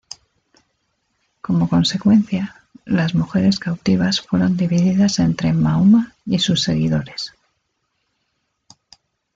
Como consecuencia, las mujeres cautivas fueron divididas entre Mahoma y sus seguidores.